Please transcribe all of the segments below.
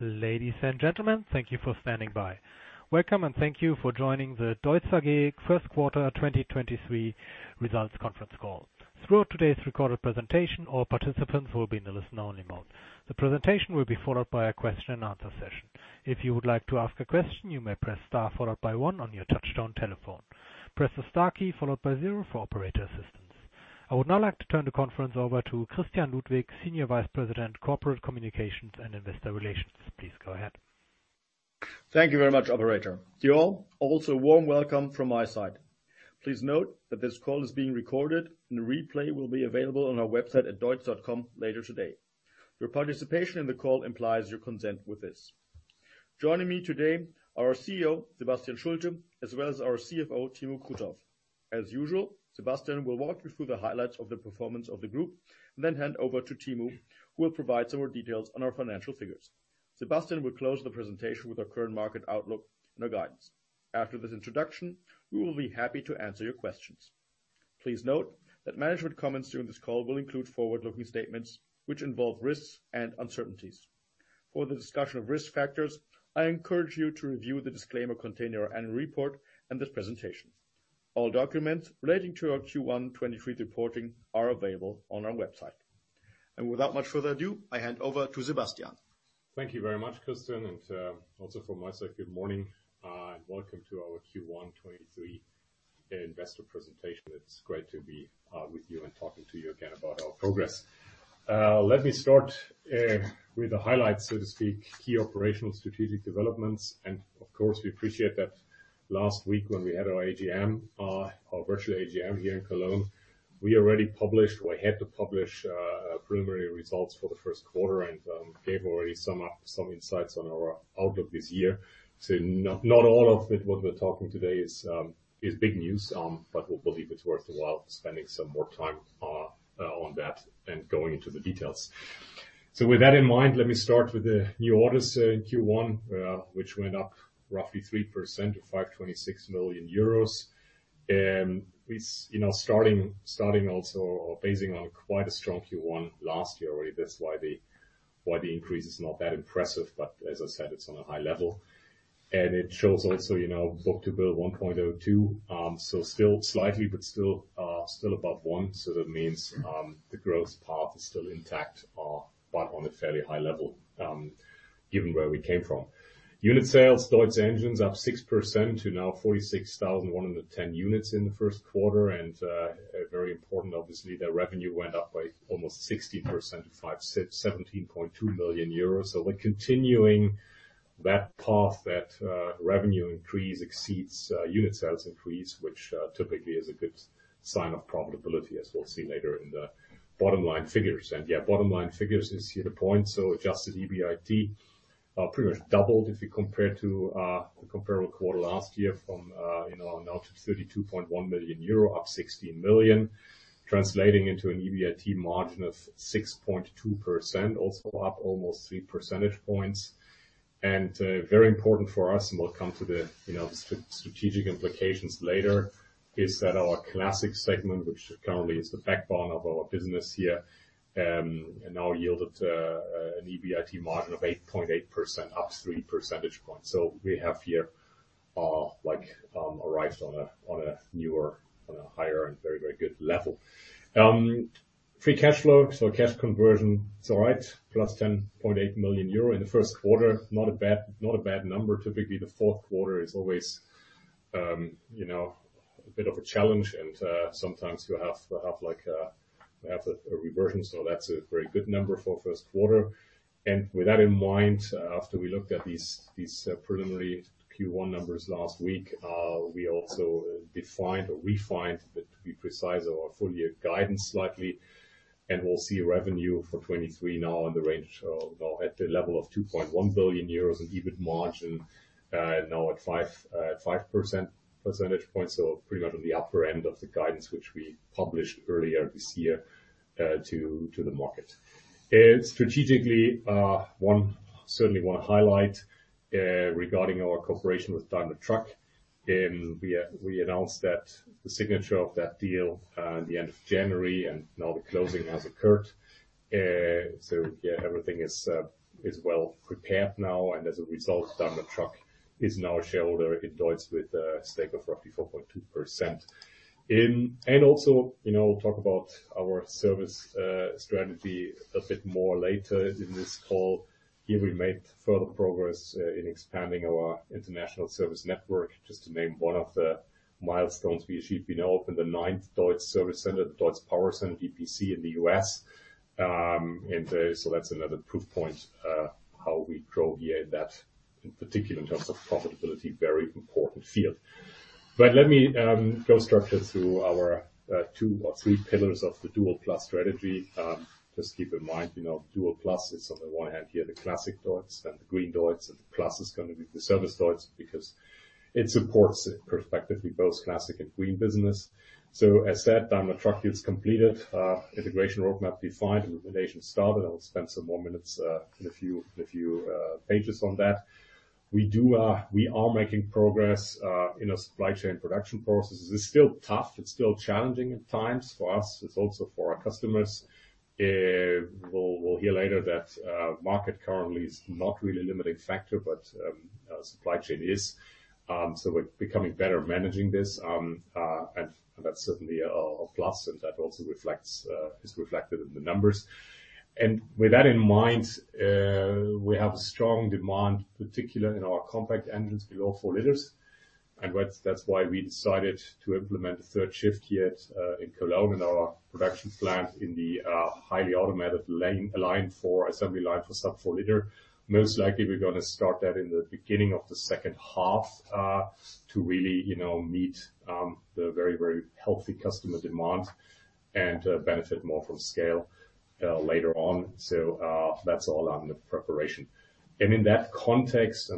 Ladies and gentlemen, thank you for standing by. Welcome, and thank you for joining the DEUTZ AG Q1 2023 Results Conference Call. Throughout today's recorded presentation, all participants will be in the listen-only mode. The presentation will be followed by a question and answer session. If you would like to ask a question, you may press Star followed by one on your touchtone telephone. Press the Star key followed by zero for Operator assistance. I would now like to turn the conference over to Christian Ludwig, Senior Vice President, Corporate Communications and Investor Relations. Please go ahead. Thank you very much, Operator. To you all, also a warm welcome from my side. Please note that this call is being recorded and a replay will be available on our website at deutz.com later today. Your participation in the call implies your consent with this. Joining me today are our CEO, Sebastian Schulte, as well as our CFO, Timo Krutof. As usual, Sebastian will walk you through the highlights of the performance of the group and then hand over to Timo, who will provide some more details on our financial figures. Sebastian will close the presentation with our current market outlook and our guidance. After this introduction, we will be happy to answer your questions. Please note that management comments during this call will include forward-looking statements which involve risks and uncertainties. For the discussion of risk factors, I encourage you to review the disclaimer contained in our annual report and this presentation. All documents relating to our Q1 2023 reporting are available on our website. Without much further ado, I hand over to Sebastian. Thank you very much, Christian, and also from my side, good morning, and welcome to our Q1 2023 investor presentation. It's great to be with you and talking to you again about our progress. Let me start with the highlights, so to speak, key operational strategic developments. Of course, we appreciate that last week when we had our AGM, our virtual AGM here in Cologne, we already published or had to publish preliminary results for the Q1 and gave already some insights on our outlook this year. Not, not all of it what we're talking today is big news, but we believe it's worthwhile spending some more time on that and going into the details. With that in mind, let me start with the new orders in Q1, which went up roughly 3% to 526 million euros. You know, starting also or phasing on quite a strong Q1 last year already. That's why the increase is not that impressive, but as I said, it's on a high level. It shows also, you know, book-to-bill 1.02, so still slightly but still above one. That means the growth path is still intact, but on a fairly high level, given where we came from. Unit sales, DEUTZ Engines up 6% to now 46,110 units in the Q1. Very important, obviously, their revenue went up by almost 60% to 17.2 million euros. We're continuing that path that revenue increase exceeds unit sales increase, which typically is a good sign of profitability, as we'll see later in the bottom line figures. Yeah, bottom line figures is here the point. Adjusted EBIT pretty much doubled if you compare to the comparable quarter last year from, you know, now to 32.1 million euro, up 16 million, translating into an EBIT margin of 6.2%, also up almost three percentage points. Very important for us, and we'll come to the, you know, strategic implications later, is that our Classic segment, which currently is the backbone of our business here, now yielded an EBIT margin of 8.8%, up three percentage points. We have here, like, arrived on a newer, on a higher and very, very good level. Free cash flow. Cash conversion, it's all right. +10.8 million euro in the Q1. Not a bad, not a bad number. Typically, the Q4 is always, you know, a bit of a challenge. Sometimes you have like a reversion. That's a very good number for Q1. With that in mind, after we looked at these preliminary Q1 numbers last week, we also defined or refined, to be precise, our full year guidance slightly. We'll see revenue for 2023 now in the range of or at the level of 2.1 billion euros in EBIT margin, now at five percentage points. Pretty much on the upper end of the guidance which we published earlier this year to the market. Strategically, certainly wanna highlight regarding our cooperation with Daimler Truck. We announced that the signature of that deal at the end of January and now the closing has occurred. Yeah, everything is well prepared now, and as a result, Daimler Truck is now a shareholder in DEUTZ with a stake of roughly 4.2%. Also, you know, we'll talk about our service strategy a bit more later in this call. Here we made further progress in expanding our international service network. Just to name one of the milestones we achieved. We now opened the ninth DEUTZ service center, DEUTZ Power Center, DPC, in the U.S. That's another proof point how we grow here that in particular in terms of profitability, very important field. Let me go structured through our 2 or 3 pillars of the Dual+ strategy. Just keep in mind, you know, Dual+ is on the one hand here, the Classic DEUTZ, then the Green DEUTZ, and the plus is gonna be the service DEUTZ because it supports it effectively, both Classic and Green business. As said, Daimler Truck deal is completed. Integration roadmap defined and the relation started. I'll spend some more minutes in a few, a few pages on that. We do, we are making progress in our supply chain production processes. It's still tough, it's still challenging at times for us. It's also for our customers. We'll hear later that market currently is not really a limiting factor, but supply chain is. We're becoming better at managing this, and that's certainly a plus, and that also reflects, is reflected in the numbers. With that in mind, we have a strong demand, particular in our compact engines below 4 liters. That's why we decided to implement a third shift here in Cologne, in our production plant in the highly automated lane, line for assembly line for sub 4-liter. Most likely we're gonna start that in the beginning of the second half, to really, you know, meet the very, very healthy customer demand and benefit more from scale later on. That's all under preparation. In that context,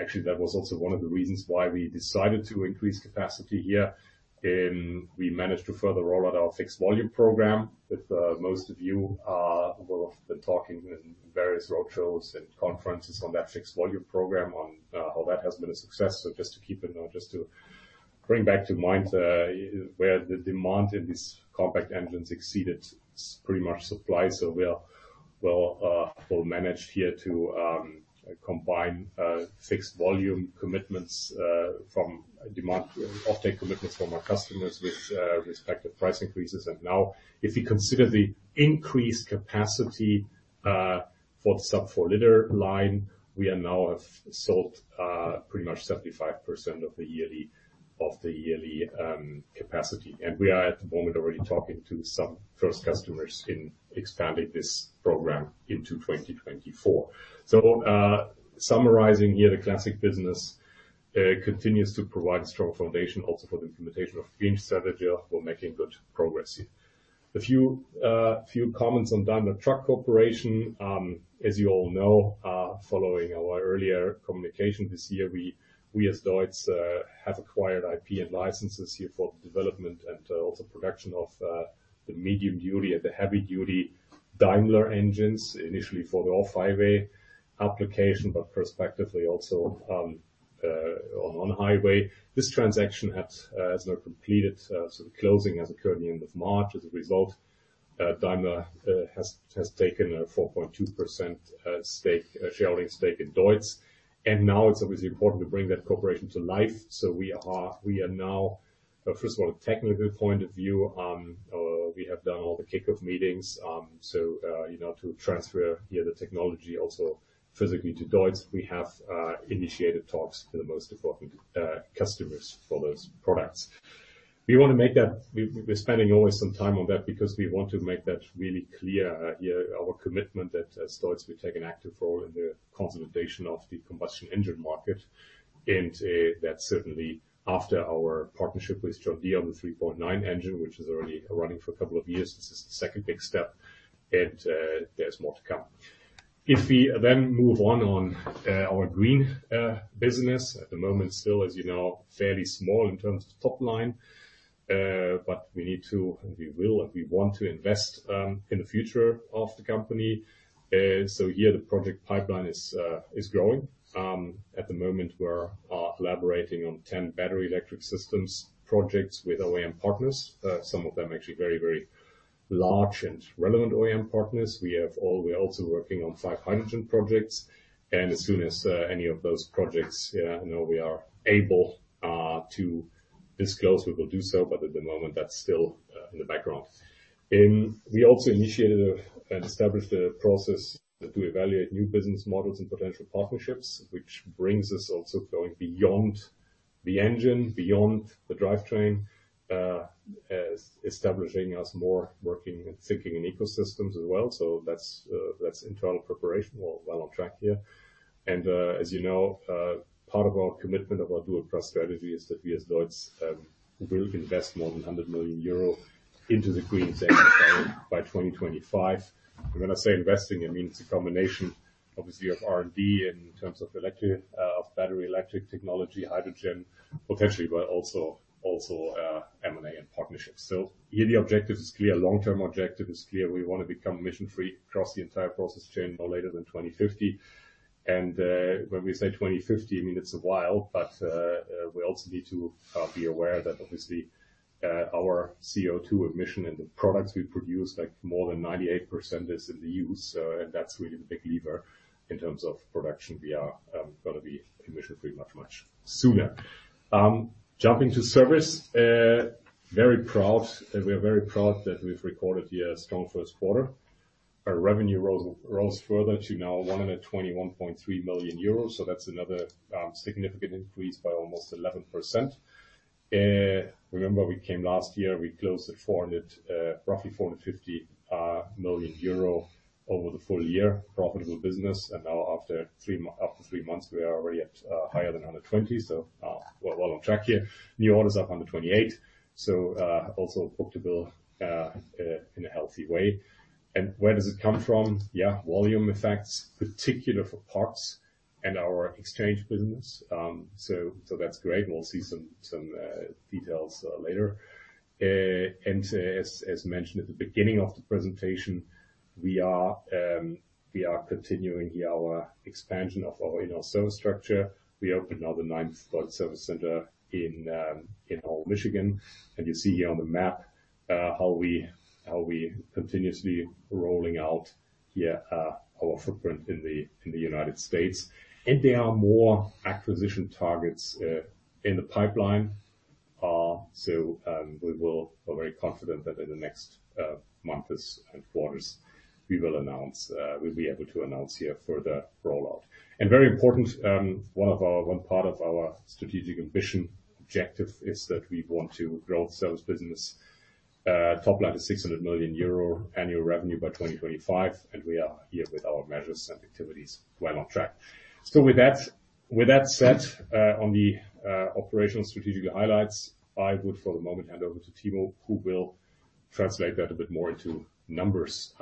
actually, that was also one of the reasons why we decided to increase capacity here. We managed to further roll out our fixed-volume program, with most of you will have been talking in various roadshows and conferences on that fixed-volume program on how that has been a success. Just to bring back to mind, where the demand in these compact engines exceeded pretty much supply. We are, well, well managed here to combine fixed-volume commitments from demand offtake commitments from our customers with respective price increases. Now, if you consider the increased capacity for the sub four-liter line, we are now have sold pretty much 75% of the yearly capacity. We are at the moment already talking to some first customers in expanding this program into 2024. Summarizing here, the Classic business continues to provide a strong foundation also for the implementation of Green strategy. We're making good progress here. A few comments on Daimler Truck Corporation. As you all know, following our earlier communication this year, we as DEUTZ have acquired IP and licenses here for the development and also production of the medium duty and the heavy duty Daimler engines. Initially for the off-highway application, but perspectively also on highway. This transaction has now completed, so the closing has occurred the end of March. As a result, Daimler has taken a 4.2% stake, shareholding stake in DEUTZ. Now it's obviously important to bring that corporate to life. We are, we are now, first of all, technical point of view, we have done all the kickoff meetings. You know, to transfer, you know, the technology also physically to DEUTZ. We have initiated talks to the most important customers for those products. We're spending always some time on that because we want to make that really clear, you know, our commitment that as DEUTZ we take an active role in the consolidation of the combustion engine market. That's certainly after our partnership with John Deere on the 3.9 engine, which is already running for a couple of years. This is the second big step. There's more to come. Our Green business. At the moment, still, as you know, fairly small in terms of top line. We need to, and we will, and we want to invest in the future of the company. Here the project pipeline is growing. At the moment we are collaborating on 10 battery electric systems projects with OEM partners. Some of them actually very, very large and relevant OEM partners. We're also working on 5 hydrogen projects. As soon as any of those projects, you know, we are able to disclose, we will do so, but at the moment, that's still in the background. We also initiated a, and established a process to evaluate new business models and potential partnerships, which brings us also going beyond the engine, beyond the drivetrain, establishing us more working and thinking in ecosystems as well. That's internal preparation. We're well on track here. As you know, part of our commitment of our Dual+ strategy is that we as DEUTZ will invest more than 100 million euro into the green segment by 2025. When I say investing, it means a combination obviously of R&D in terms of electric, of battery electric technology, hydrogen potentially, but also M&A and partnerships. Yearly objective is clear, long-term objective is clear. We wanna become emission-free across the entire process chain no later than 2050. When we say 2050, I mean, it's a while, but we also need to be aware that our CO2 emission in the products we produce, like more than 98% is in the use. That's really the big lever in terms of production. We are gonna be emission-free much, much sooner. Jumping to service. Very proud. We are very proud that we've recorded here a strong Q1. Our revenue rose further to now 121.3 million euros. That's another significant increase by almost 11%. Remember we came last year, we closed at roughly 450 million euro over the full year profitable business. After 3 months, we are already at higher than 120, so we're well on track here. New orders up 128, so also book-to-bill in a healthy way. Where does it come from? Yeah, volume effects, particular for parts and our exchange business. So that's great. We'll see some details later. As mentioned at the beginning of the presentation, we are continuing here our expansion of our, you know, service structure. We opened now the ninth DEUTZ service center in Ohio, Michigan. You see here on the map how we continuously rolling out here our footprint in the United States. There are more acquisition targets in the pipeline. We are very confident that in the next months and quarters, we will announce, we'll be able to announce here further rollout. Very important, one part of our strategic ambition objective is that we want to grow sales business top line to 600 million euro annual revenue by 2025, and we are here with our measures and activities well on track. With that, with that said, on the operational strategic highlights, I would for the moment hand over to Timo, who will translate that a bit more into numbers,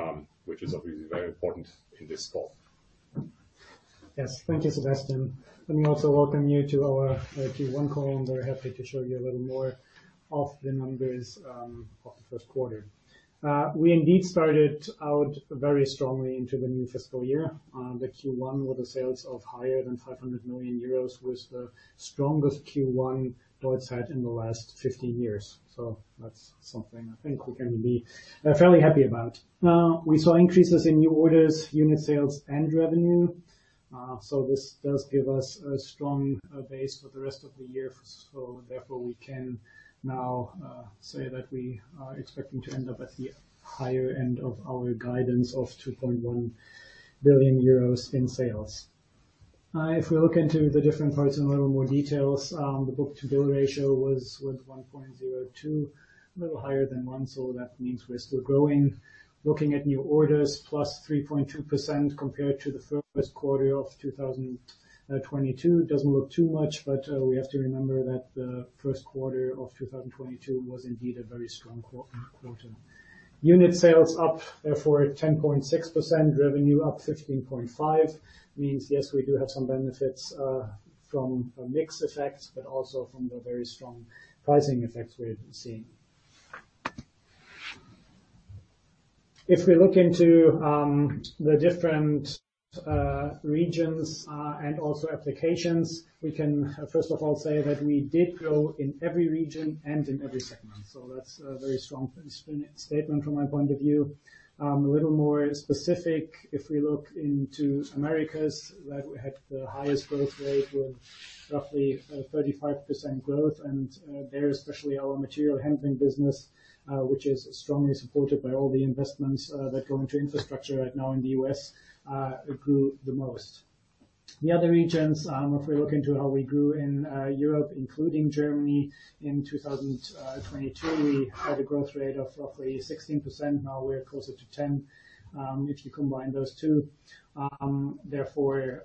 which is obviously very important in this call. Yes. Thank you, Sebastian. Let me also welcome you to our Q1 call. I'm very happy to show you a little more of the numbers of the Q1. We indeed started out very strongly into the new fiscal year. The Q1 with the sales of higher than 500 million euros was the strongest Q1 DEUTZ had in the last 15 years. That's something I think we can be fairly happy about. We saw increases in new orders, unit sales and revenue. This does give us a strong base for the rest of the year. Therefore we can now say that we are expecting to end up at the higher end of our guidance of 2.1 billion euros in sales. If we look into the different parts in a little more details, the book-to-bill ratio was with 1.02, a little higher than 1. That means we're still growing. Looking at new orders, +3.2% compared to the Q1 of 2022. Doesn't look too much, we have to remember that the Q1 of 2022 was indeed a very strong quarter. Unit sales up, therefore 10.6%, revenue up 15.5%, means yes, we do have some benefits from a mix effect, but also from the very strong pricing effects we're seeing. If we look into the different regions and also applications, we can, first of all, say that we did grow in every region and in every segment. That's a very strong statement from my point of view. A little more specific, if we look into Americas, that had the highest growth rate with roughly 35% growth, and there especially our material handling business, which is strongly supported by all the investments that go into infrastructure right now in the US, it grew the most. The other regions, if we look into how we grew in Europe, including Germany in 2022, we had a growth rate of roughly 16%. Now we're closer to 10, if you combine those two. Therefore,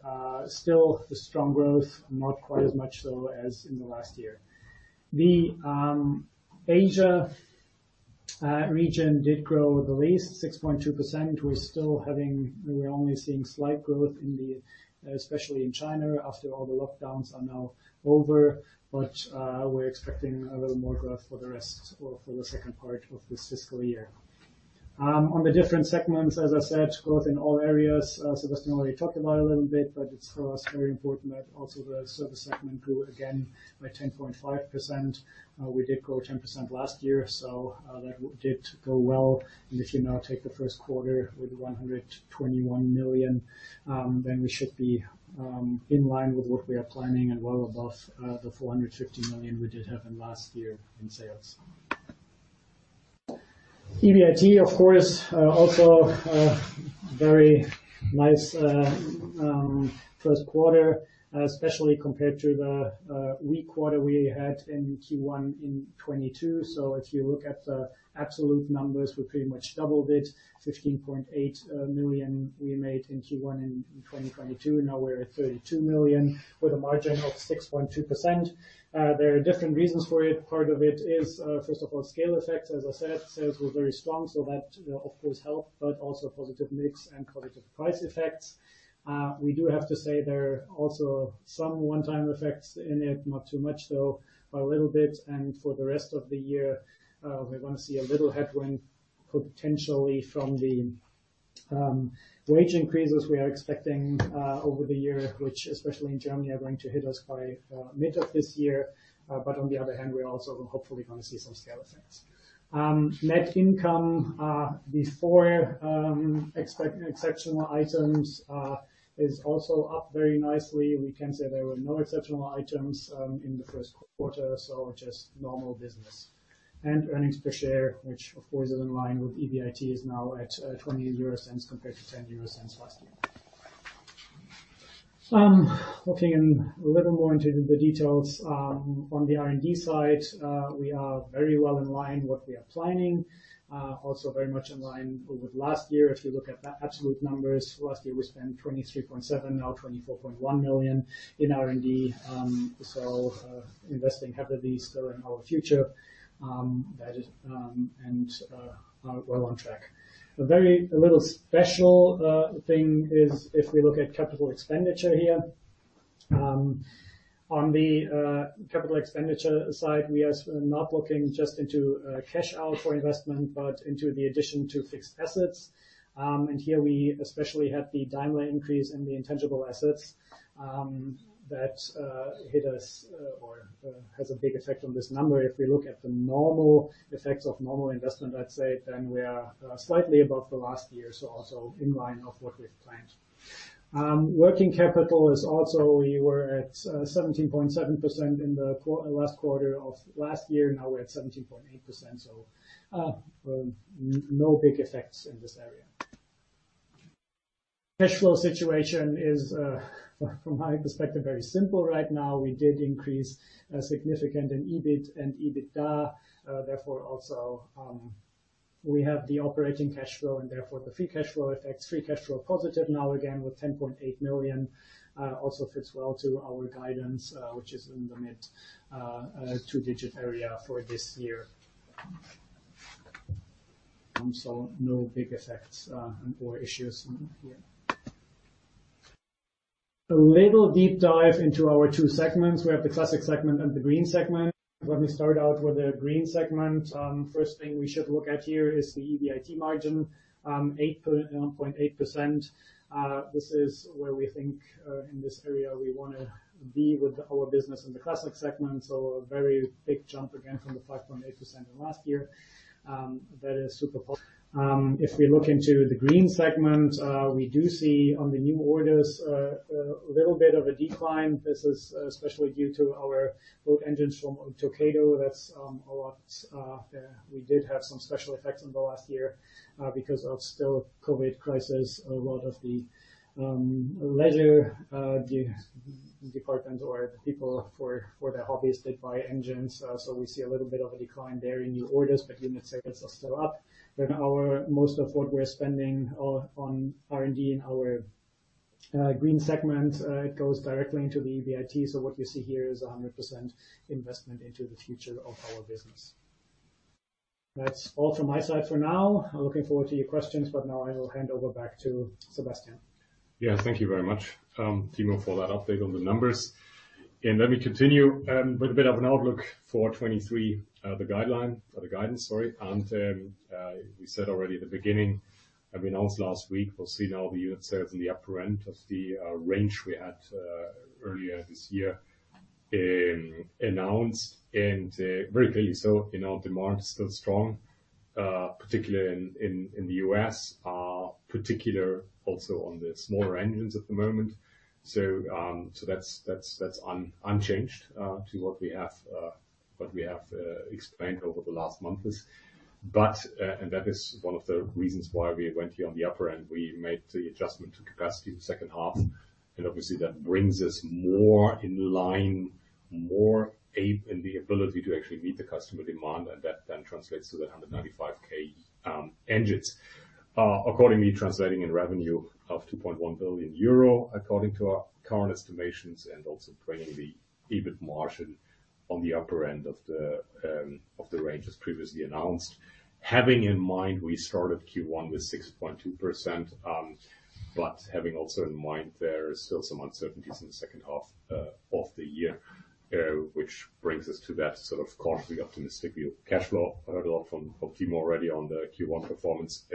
still a strong growth, not quite as much though, as in the last year. The Asia region did grow the least, 6.2%. We're only seeing slight growth in the, especially in China, after all the lockdowns are now over. We're expecting a little more growth for the rest or for the second part of this fiscal year. On the different segments, as I said, growth in all areas, Sebastian already talked about a little bit, but it's for us very important that also the service segment grew again by 10.5%. We did grow 10% last year, that did go well. If you now take the Q1 with 121 million, then we should be in line with what we are planning and well above 450 million we did have in last year in sales. EBIT, of course, also a very nice Q1, especially compared to the weak quarter we had in Q1 in 2022. If you look at the absolute numbers, we pretty much doubled it. 15.8 million we made in Q1 in 2022. Now we're at 32 million with a margin of 6.2%. There are different reasons for it. Part of it is, first of all, scale effects. As I said, sales were very strong, so that, of course helped, but also positive mix and positive price effects. We do have to say there are also some one-time effects in it, not too much though, but a little bit. For the rest of the year, we're gonna see a little headwind potentially from the wage increases we are expecting over the year, which especially in Germany, are going to hit us by mid of this year. On the other hand, we're also hopefully gonna see some scale effects. Net income before exceptional items is also up very nicely. We can say there were no exceptional items in the Q1, so just normal business. Earnings per share, which of course is in line with EBIT, is now at 0.20 compared to 0.10 last year. Looking in a little more into the details, on the R&D side, we are very well in line what we are planning. Also very much in line with last year. If you look at the absolute numbers, last year we spent 23.7 million, now 24.1 million in R&D, investing heavily still in our future, and are well on track. A little special thing is if we look at capital expenditure here. On the capital expenditure side, we are not looking just into cash out for investment, but into the addition to fixed assets. Here we especially have the Daimler Truck increase in the intangible assets that hit us or has a big effect on this number. We look at the normal effects of normal investment, I'd say we are slightly above the last year, also in line of what we've planned. Working capital is also, we were at 17.7% in the last quarter of last year. We're at 17.8%, no big effects in this area. Cash flow situation is from my perspective, very simple right now. We did increase significant in EBIT and EBITDA. Also, we have the operating cash flow and the free cash flow effects. Free cash flow positive now again with 10.8 million, also fits well to our guidance, which is in the mid two-digit area for this year. No big effects or issues here. A little deep dive into our two segments. We have the Classic segment and the Green segment. Let me start out with the Green segment. First thing we should look at here is the EBIT margin, 0.8%. This is where we think, in this area we wanna be with our business in the Classic segment. A very big jump again from the 5.8% in last year. That is super. If we look into the Green segment, we do see on the new orders, a little bit of a decline. This is especially due to our boat engines from Torqeedo. That's a lot, yeah, we did have some special effects in the last year, because of still COVID crisis. A lot of the leisure departments or people for their hobbies, they buy engines. We see a little bit of a decline there in new orders, but unit sales are still up. Our most of what we're spending on R&D in our Green segment goes directly into the EBIT. What you see here is 100% investment into the future of our business. That's all from my side for now. I'm looking forward to your questions. Now I will hand over back to Sebastian. Yeah. Thank you very much, Timo, for that update on the numbers. Let me continue with a bit of an outlook for 23, the guideline or the guidance, sorry. We said already at the beginning and we announced last week, we'll see now the year certainly at the upper end of the range we had earlier this year announced and very clearly so. You know, demand is still strong, particularly in the U.S., particular also on the smaller engines at the moment. That's unchanged to what we have explained over the last months. That is one of the reasons why we went here on the upper end. We made the adjustment to capacity in the second half, obviously that brings us more in line, more aid in the ability to actually meet the customer demand and that then translates to the 195K engines. Accordingly translating in revenue of 2.1 billion euro, according to our current estimations, and also bringing the EBIT margin on the upper end of the range as previously announced. Having in mind we started Q1 with 6.2%, but having also in mind there are still some uncertainties in the second half of the year. Which brings us to that sort of cautiously optimistic view of cash flow. I heard a lot from Timo already on the Q1 performance,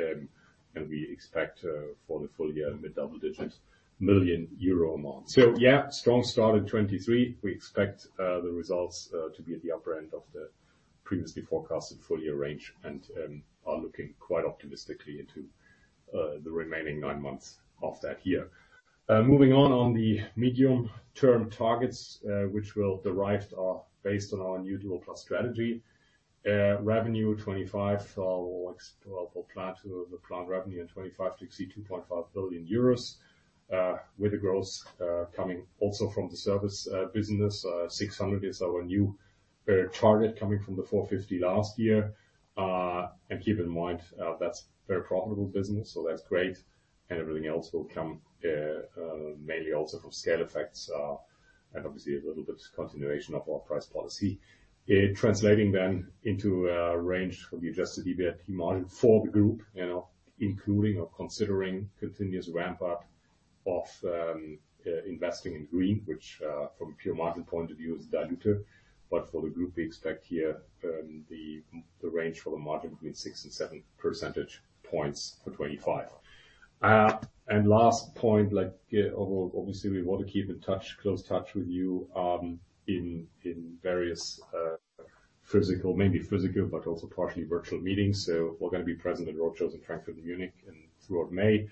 and we expect for the full year mid-double-digit million EUR amount. Yeah, strong start in 2023. We expect the results to be at the upper end of the previously forecasted full year range and are looking quite optimistically into the remaining nine months of that year. Moving on on the medium-term targets, which will derive off based on our new Dual+ strategy. Revenue 2025, we'll plan to. We plan revenue in 2025 to exceed 2.5 billion euros, with the growth coming also from the Service business. 600 is our new target coming from the 450 last year. Keep in mind, that's very profitable business, so that's great. Everything else will come mainly also from scale effects and obviously a little bit continuation of our price policy. Translating into a range for the adjusted EBIT margin for the group, you know, including or considering continuous ramp up of investing in Green, which from a pure margin point of view is dilutive. For the group, we expect here the range for the margin between six and seven percentage points for 2025. Last point, like, obviously we want to keep in touch, close touch with you, in various physical, maybe physical, but also partially virtual meetings. We're gonna be present at Roadshows in Frankfurt and Munich and throughout May.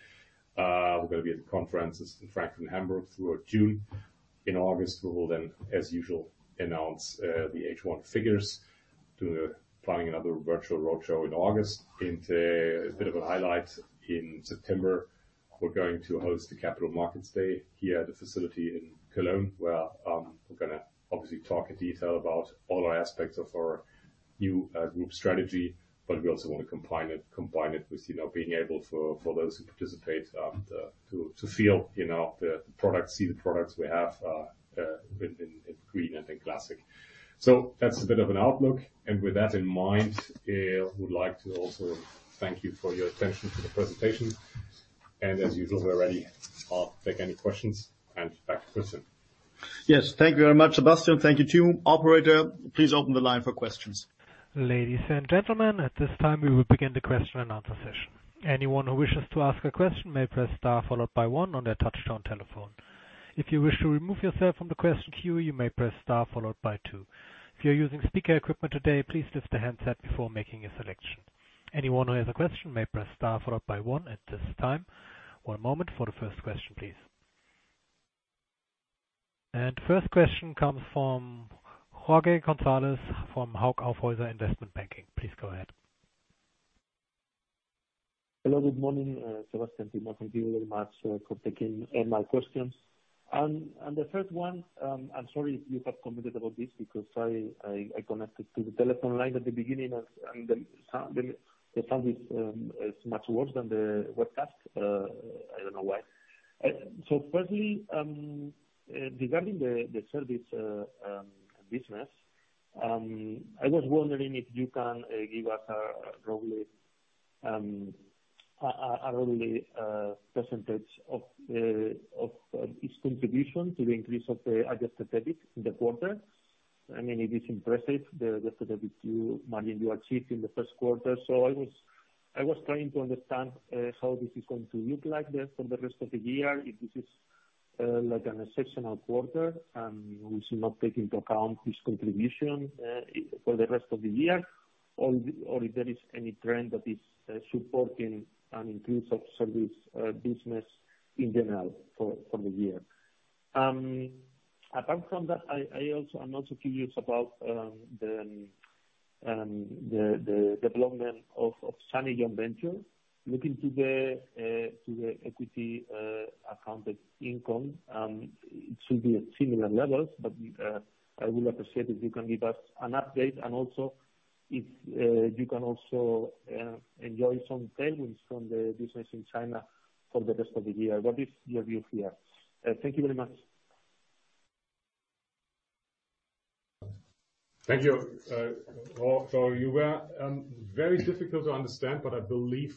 We're gonna be at the conferences in Frankfurt and Hamburg throughout June. In August, we will then, as usual, announce the H1 figures. Planning another virtual roadshow in August. A bit of a highlight, in September, we're going to host the Capital Markets Day here at the facility in Cologne, where we're gonna obviously talk in detail about all our aspects of our new group strategy, but we also want to combine it with, you know, being able for those who participate, to feel, you know, the products, see the products we have within, in Green and in Classic. That's a bit of an outlook. With that in mind, would like to also thank you for your attention to the presentation. As usual, we're ready to take any questions. Back to Christian. Yes. Thank you very much, Sebastian. Thank you, Timo. Operator, please open the line for questions. Ladies and gentlemen, at this time, we will begin the question and answer session. Anyone who wishes to ask a question may press star followed by one on their touchtone telephone. If you wish to remove yourself from the question queue, you may press star followed by two. If you're using speaker equipment today, please lift the handset before making a selection. Anyone who has a question may press star followed by one at this time. One moment for the first question, please. First question comes from Jorge González from Hauck Aufhäuser Investment Banking. Please go ahead. Hello, good morning, Sebastian, Timo. Thank you very much for taking my questions. The first one, I'm sorry if you have commented about this because I connected to the telephone line at the beginning and the sound is much worse than the webcast. I don't know why. Firstly, regarding the Service business, I was wondering if you can give us a roughly percentage of its contribution to the increase of the adjusted EBIT in the quarter. I mean, it is impressive the EBIT margin you achieved in the Q1. I was trying to understand how this is going to look like for the rest of the year, if this is like an exceptional quarter and we should not take into account this contribution for the rest of the year, or if there is any trend that is supporting an increase of Service business in general for the year. Apart from that, I'm also curious about the development of SANY joint venture. Looking to the equity accounted income, it should be at similar levels, but I will appreciate if you can give us an update and also if you can also enjoy some tailwinds from the business in China for the rest of the year. What is your view here? Thank you very much. Thank you. You were very difficult to understand, but I believe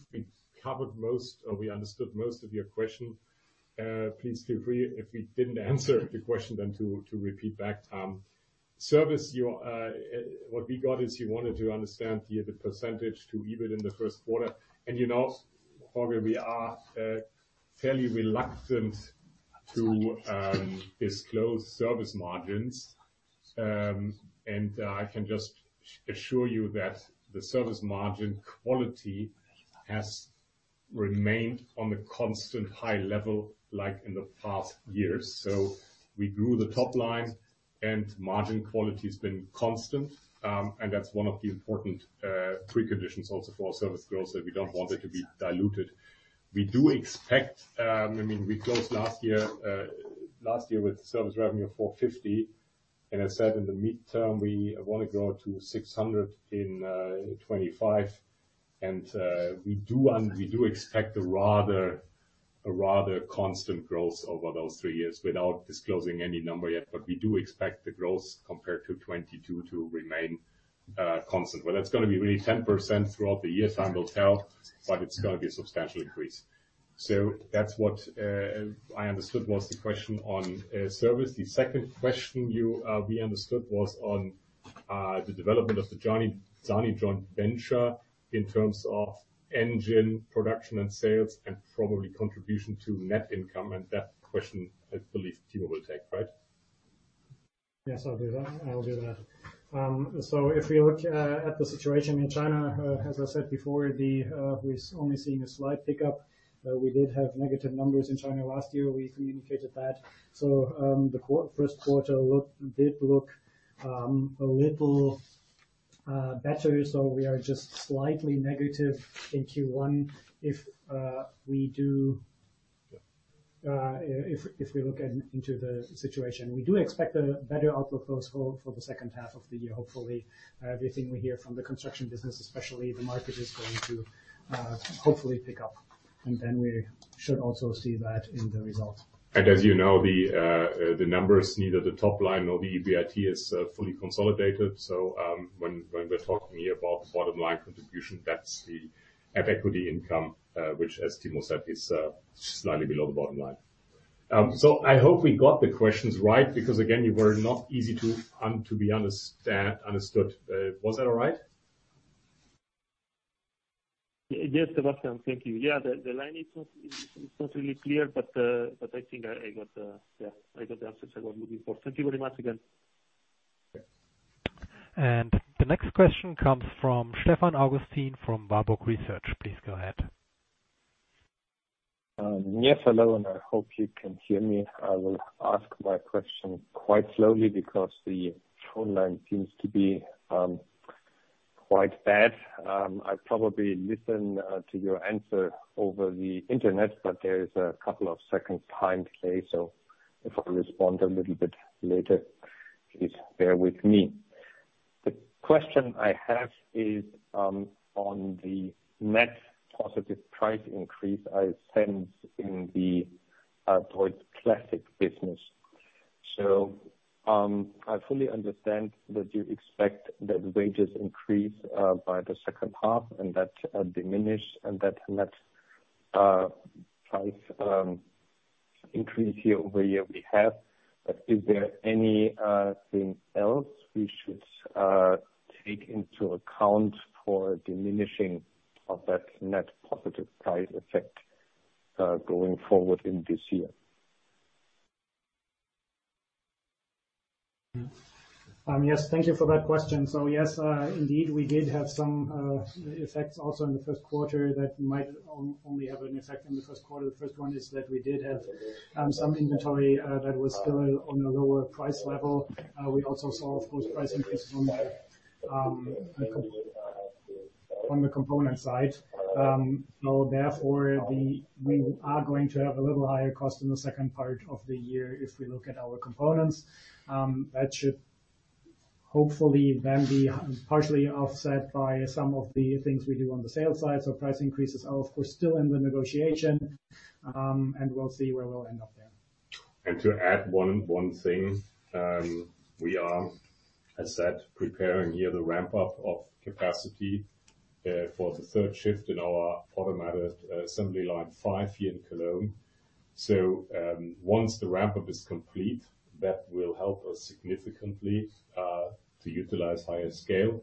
we covered most or we understood most of your question. Please feel free if we didn't answer the question then to repeat back. Service you, what we got is you wanted to understand the percentage to EBIT in the Q1. You know, Jorge, we are fairly reluctant to disclose service margins. I can just assure you that the service margin quality has remained on a constant high level like in the past years. We grew the top line and margin quality has been constant. That's one of the important preconditions also for our service growth, that we don't want it to be diluted. We do expect, I mean, we closed last year with service revenue of 450. I said in the midterm, we wanna grow to 600 in 2025. We do expect a rather constant growth over those three years without disclosing any number yet. We do expect the growth compared to 2022 to remain constant. Whether it's gonna be really 10% throughout the year, time will tell, but it's gonna be a substantial increase. That's what I understood was the question on service. The second question you, we understood was on the development of the SANY joint venture in terms of engine production and sales and probably contribution to net income. That question, I believe, Timo will take. Right? Yes, I'll do that. I will do that. If we look at the situation in China, as I said before, we're only seeing a slight pickup. We did have negative numbers in China last year. We indicated that. The Q1 did look a little better. We are just slightly negative in Q1. If we do look into the situation, we do expect a better outlook, though, for the second half of the year, hopefully. Everything we hear from the construction business, especially the market, is going to hopefully pick up and then we should also see that in the results. As you know, the numbers, neither the top line nor the EBIT, is fully consolidated. When we're talking here about bottom line contribution, that's the at-equity income, which as Timo said, is slightly below the bottom line. I hope we got the questions right because again, you were not easy to be understood. Was that all right? Yes, Sebastian, thank you. Yeah, the line is not, is not really clear, but I think I got, yeah, I got the answers I was looking for. Thank you very much again. The next question comes from Stefan Augustin from Warburg Research. Please go ahead. Yes, hello, and I hope you can hear me. I will ask my question quite slowly because the phone line seems to be quite bad. I probably listen to your answer over the Internet, but there is a couple of second time delay, so if I respond a little bit later, please bear with me. The question I have is on the net positive price increase I sense in the Deutz Classic business. I fully understand that you expect that wages increase by the second half and that diminish and that net price increase year-over-year we have. Is there anything else we should take into account for diminishing of that net positive price effect going forward in this year? Yes, thank you for that question. Yes, indeed we did have some effects also in the Q1 that might only have an effect on the Q1. The first one is that we did have some inventory that was still on a lower price level. We also saw, of course, price increases on the component side. Therefore, we are going to have a little higher cost in the second part of the year if we look at our components. That should hopefully then be partially offset by some of the things we do on the sales side. Price increases are of course still in the negotiation, and we'll see where we'll end up there. To add one thing, we are, as said, preparing here the ramp up of capacity for the third shift in our automated assembly line five here in Cologne. Once the ramp up is complete, that will help us significantly to utilize higher scale.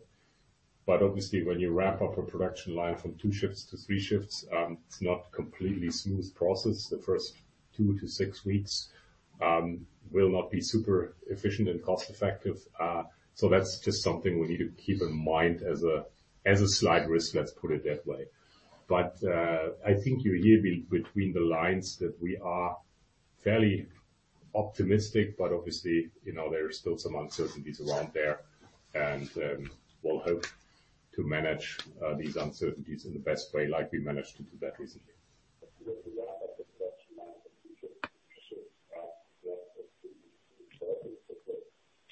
Obviously, when you ramp up a production line from 2 shifts to 3 shifts, it's not completely smooth process. The first 2-6 weeks will not be super efficient and cost effective. That's just something we need to keep in mind as a slight risk, let's put it that way. I think you hear between the lines that we are fairly optimistic, but obviously, you know, there are still some uncertainties around there, and we'll hope to manage these uncertainties in the best way like we managed to do that recently.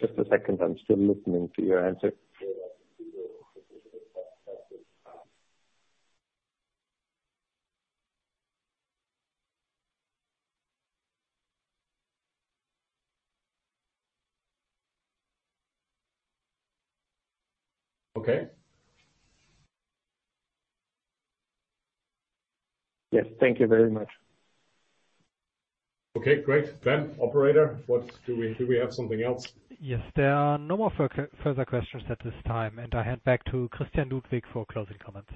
Just a second. I'm still listening to your answer. Okay. Yes, thank you very much. Okay, great. Operator, what do we have something else? Yes. There are no more further questions at this time, and I hand back to Christian Ludwig for closing comments.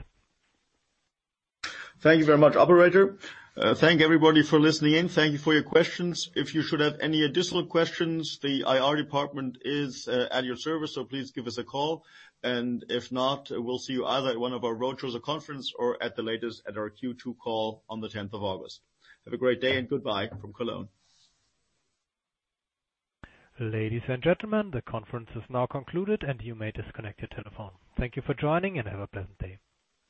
Thank you very much, Operator. Thank everybody for listening in. Thank you for your questions. If you should have any additional questions, the IR department is at your service, so please give us a call. If not, we'll see you either at one of our roadshows or conference or at the latest at our Q2 call on the 10th of August. Have a great day and goodbye from Cologne. Ladies and gentlemen, the conference is now concluded, and you may disconnect your telephone. Thank you for joining and have a pleasant day.